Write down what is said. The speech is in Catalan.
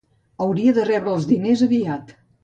Hauria de rebre els diners aviat.